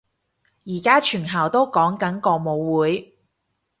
而家全校都講緊個舞會